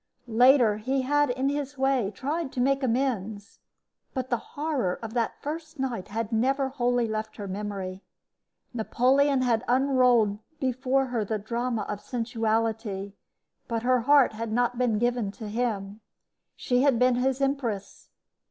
Later he had in his way tried to make amends; but the horror of that first night had never wholly left her memory. Napoleon had unrolled before her the drama of sensuality, but her heart had not been given to him. She had been his empress.